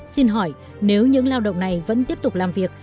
xin hỏi nếu những lao động này vẫn tiếp tục làm việc